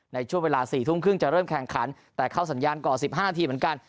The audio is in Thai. ในช่วงเวลา๔ทุ่มครึ่งจะเริ่มแข่งขันแต่เข้าสัญญาณก่อน๑๕นาทีเหมือนกัน